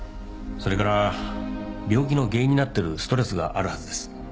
それから病気の原因になってるストレスがあるはずです。